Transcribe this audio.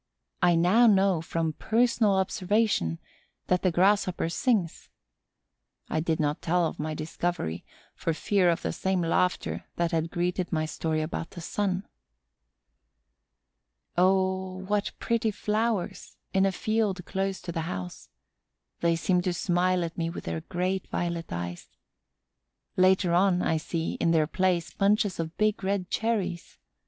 I now know, from personal observation, that the Grasshopper sings. I did not tell of my discovery, for fear of the same laughter that had greeted my story about the sun. Oh, what pretty flowers, in a field close to the house! They seem to smile at me with their great violet eyes. Later on, I see, in their place, bunches of big red cherries.